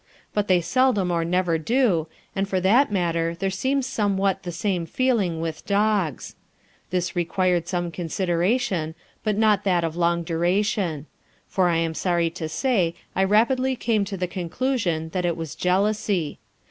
But they seldom or never do, and for that matter there seems somewhat the same feeling with dogs. This required some consideration, but that not of long duration. For I am sorry to say I rapidly came to the conclusion that it was jealousy.